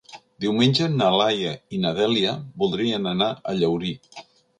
Diumenge na Laia i na Dèlia voldrien anar a Llaurí.